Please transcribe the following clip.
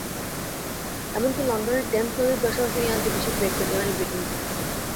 এমনকি লন্ডনের টেমস নদীর দশাও ফিরিয়ে আনতে বিশেষ বেগ পেতে হয়নি ব্রিটেনকে।